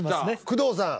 工藤さん